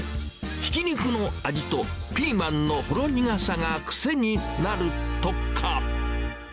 ひき肉の味とピーマンのほろ苦さが癖になるとか。